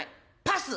パス！」。